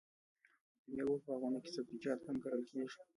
د میوو په باغونو کې سبزیجات هم کرل کیږي.